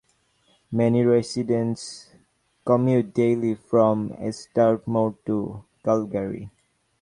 Many residents commute daily from Strathmore to Calgary.